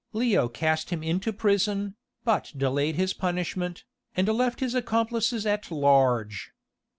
Leo cast him into prison, but delayed his punishment, and left his accomplices at large.